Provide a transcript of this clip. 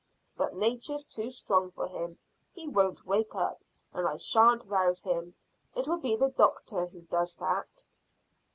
But nature's too strong for him. He won't wake up, and I shan't rouse him. It will be the doctor who does that."